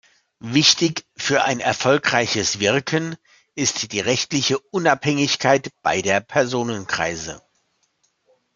Wichtig für ein erfolgreiches Wirken ist die rechtliche Unabhängigkeit beider Personenkreise.